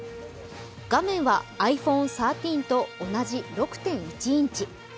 画面はｉＰｈｏｎｅ１３と同じ６．１インチ。